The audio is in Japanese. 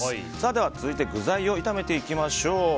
続いて具材を炒めていきましょう。